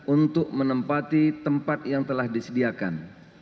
untuk menempati tempat yang telah disediakan